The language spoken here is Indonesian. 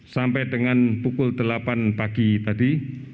sampai dengan pukul delapan pagi tadi